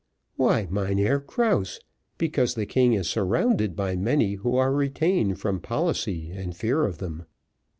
"Why, Mynheer Krause, because the king is surrounded by many who are retained from policy and fear of them.